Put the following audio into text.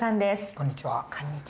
こんにちは。